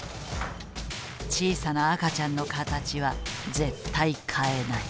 小さな赤ちゃんの形は絶対変えない。